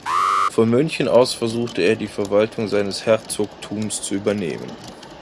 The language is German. Von München aus versuchte er, die Verwaltung seines Herzogtums zu übernehmen.